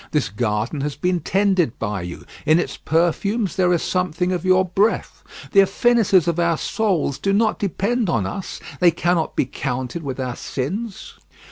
This garden has been tended by you; in its perfumes there is something of your breath. The affinities of our souls do not depend on us. They cannot be counted with our sins.